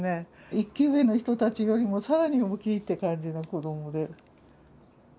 １級上の人たちよりも更に大きいって感じの子どもで。